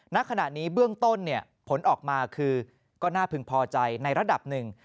ณขณะนี้เบื้องต้นผลออกมาคือก็น่าพึงพอใจในระดับหนึ่ง